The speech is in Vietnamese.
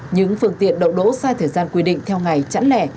những phương tiện đậu đỗ sai thời gian quy định theo ngày chẵn lẻ